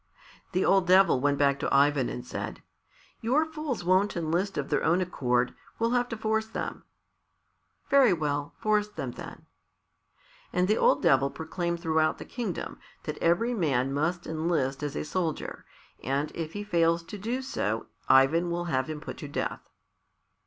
The old Devil went back to Ivan and said, "Your fools won't enlist of their own accord; we'll have to force them." "Very well; force them, then." And the old Devil proclaimed throughout the kingdom that every man must enlist as a soldier, and if he fails to do so Ivan will have him put to death.